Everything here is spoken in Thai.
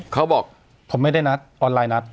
เขาบอกผมไม่ได้นัดออนไลน์นัด